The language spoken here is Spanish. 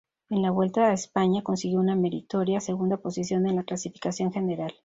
En la Vuelta a España consiguió una meritoria segunda posición en la clasificación general.